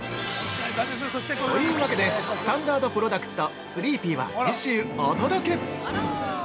◆というわけでスタンダードプロダクツとスリーピーは、次週お届け。